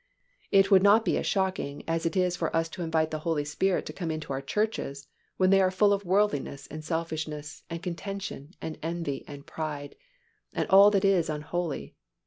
It would not be as shocking as it is for us to invite the Holy Spirit to come into our churches when they are full of worldliness and selfishness and contention and envy and pride, and all that is unholy.